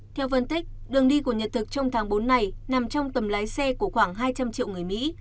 theo phân tích đường đi của nhật thực trong tháng bốn này nằm trong tầm lái xe của khoảng hai trăm linh triệu người mỹ